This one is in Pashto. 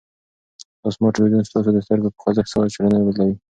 دا سمارټ تلویزیون ستاسو د سترګو په خوځښت سره چینلونه بدلوي.